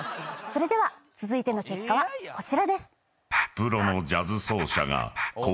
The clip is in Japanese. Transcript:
それでは続いての結果はこちらです。